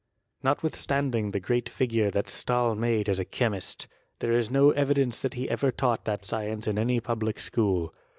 Notwithstanding the great figure that Stahl made as a chemist, there is no evidence that he ever taught that science in any public school.